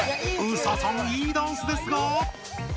ＳＡさんいいダンスですが。